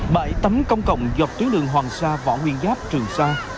bãi tắm công cộng dọc tuyến đường hoàng sa võ nguyên giáp trường sa